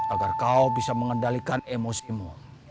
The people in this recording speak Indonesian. agar kau bisa mengendalikan emosimu